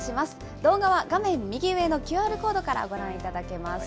動画は画面右上のＱＲコードからご覧いただけます。